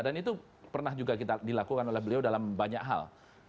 dan itu pernah juga kita dilakukan oleh beliau dalam banyak hal